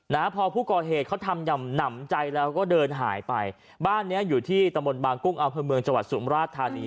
นะฮะพอผู้ก่อเหตุเขาทำอย่างหนำใจแล้วก็เดินหายไปบ้านเนี้ยอยู่ที่ตะบนบางกุ้งอำเภอเมืองจังหวัดสุมราชธานี